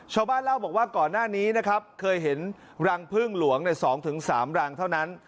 ชาวบ้านเล่าบอกว่าก่อนหน้านี้นะครับเคยเห็นรังพึ่งหลวงใน๒๓รังเท่านั้น